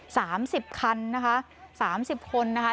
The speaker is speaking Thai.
สามสิบคันนะคะสามสิบคนนะคะ